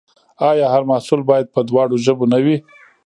آیا هر محصول باید په دواړو ژبو نه وي؟